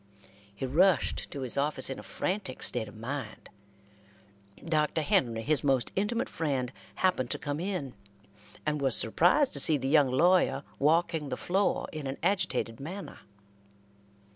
He rushed to his office in a frantic state of mind. Dr. Henry, his most intimate friend, happened to come in, and was surprised to see the young lawyer walking the floor in an agitated manner.